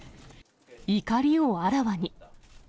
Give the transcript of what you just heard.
怒りをあらわに。